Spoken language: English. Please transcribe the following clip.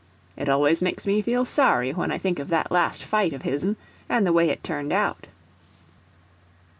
It always makes me feel sorry when I think of that last fight of his'n, and the way it turned out.